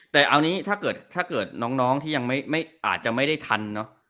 แต่เอานี้ถ้าเกิดน้องที่ยังอาจจะไม่ได้ทันเนอะ